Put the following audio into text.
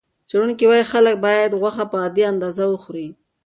څېړونکي وايي خلک باید غوښه په عادي اندازه وخوري.